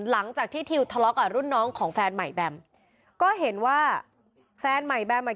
หลังจากที่ทิวทะเลาะกับรุ่นน้องของแฟนใหม่แบมก็เห็นว่าแฟนใหม่แบมอ่ะ